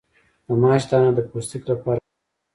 د ماش دانه د پوستکي لپاره وکاروئ